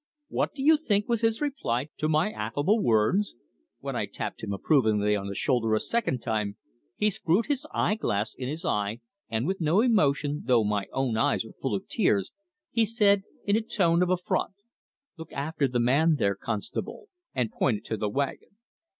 What do you think was his reply to my affable words? When I tapped him approvingly on the shoulder a second time, he screwed his eye glass in his eye, and, with no emotion, though my own eyes were full of tears, he said, in a tone of affront, 'Look after the man there, constable,' and pointed to the wagon.